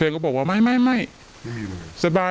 อยู่กับพ่อเขา